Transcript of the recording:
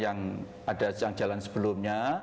yang ada yang jalan sebelumnya